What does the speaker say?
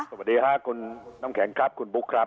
สวัสดีค่ะคุณน้ำแข็งครับคุณบุ๊คครับ